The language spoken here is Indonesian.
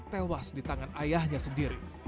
tewas di tangan ayahnya sendiri